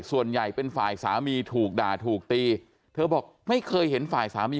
ส่วนใหญ่เป็นฝ่ายสามีถูกด่าถูกตีเธอบอกไม่เคยเห็นฝ่ายสามี